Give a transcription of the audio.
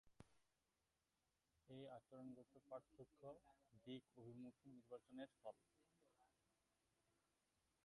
এ আচরণগত পার্থক্য দিক অভিমুখী নির্বাচনের ফল।